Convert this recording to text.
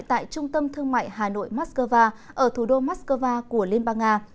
tại trung tâm thương mại hà nội moscow ở thủ đô moscow của liên bang nga